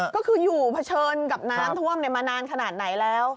ก็คืออยู่เผชิญกับน้ำท่วมมานานขนาดไหนแล้ว